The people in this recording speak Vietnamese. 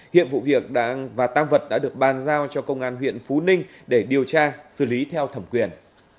hiện vụ việc và tăng vật đã được bàn giao cho công an huyện phú ninh để điều tra xử lý theo thẩm quyền